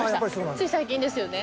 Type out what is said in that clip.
つい最近ですよね？